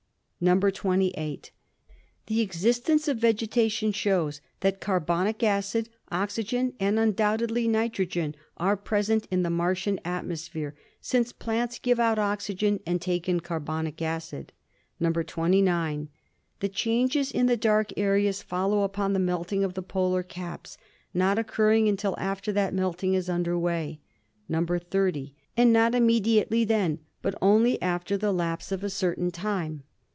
"(28) The existence of vegetation shows that carbonic acid, oxygen and undoubtedly nitrogen are present in the Martian atmosphere, since plants give out oxygen and take in carbonic acid. "(29) The changes in the dark areas follow upon the melting of the polar caps, not occurring until after that melting is under way, "(30) And not immediately then, but only after the lapse of a certain time.